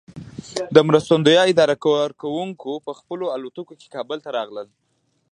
د مرستندویه ادارو کارکوونکي په خپلو الوتکو کې کابل ته راغلل.